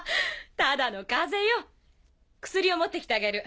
ただの風邪よ薬を持って来てあげる。